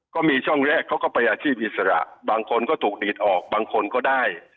ก็มีช่องแรกเขาก็ไปอาชีพอิสระบางคนก็ถูกดีดออกบางคนก็ได้